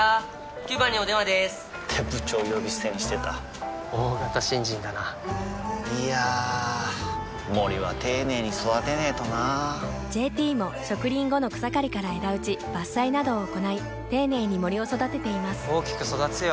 ９番にお電話でーす！って部長呼び捨てにしてた大型新人だないやー森は丁寧に育てないとな「ＪＴ」も植林後の草刈りから枝打ち伐採などを行い丁寧に森を育てています大きく育つよ